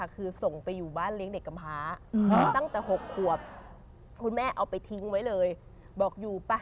คุณแม่เอาไปทิ้งไว้เลยบอกอยู่ปะ